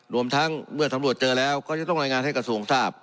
รวมทั้งเมื่อสำรวจเจอแล้วก็จะต้องรายงานให้กระทรวงทราบ